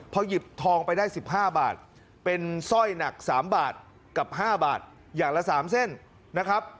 พอหยิบทองไปได้๑๕บาทเป็นสร้อยหนัก๓บาทกับ๕บาทอย่างละ๓เส้นนะครับ